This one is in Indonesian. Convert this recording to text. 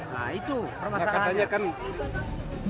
nah itu permasalahannya